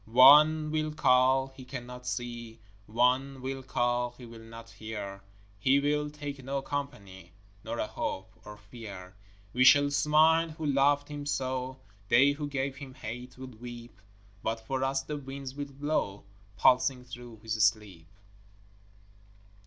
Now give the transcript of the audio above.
One will call, he cannot see; One will call, he will not hear; He will take no company Nor a hope or fear. We shall smile who loved him so They who gave him hate will weep; But for us the winds will blow Pulsing through his sleep.